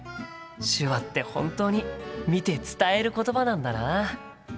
手話って本当に見て伝えることばなんだな。